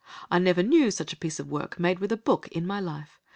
I never knew such a piece of work made with a book in my life.